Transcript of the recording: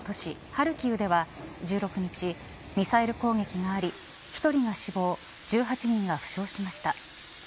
ハルキウでは１６日、ミサイル攻撃があり１人が死亡１８人が負傷しました。